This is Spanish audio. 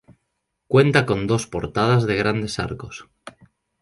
Cuenta con dos portadas de grandes arcos.